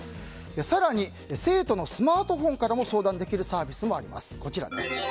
更に生徒のスマートフォンからも相談できるサービスもあります。